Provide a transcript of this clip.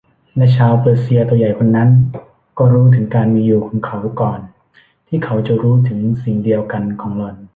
และชาวเปอร์เซียตัวใหญ่คนนั้นก็รู้ถึงการมีอยู่ของเขาก่อนที่เขาจะรู้ถึงสิ่งเดียวกันของหล่อน